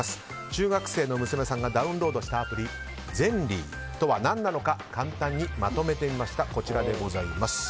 中学生の娘さんがダウンロードしたアプリｚｅｎｌｙとは何なのか簡単にまとめてみました。